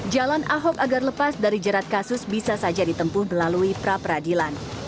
jalan ahok agar lepas dari jerat kasus bisa saja ditempuh melalui pra peradilan